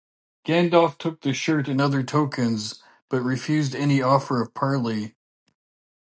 Gandalf took the shirt and other tokens, but refused any offer of parley.